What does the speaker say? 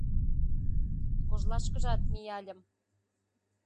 Кожлашкыжат мияльым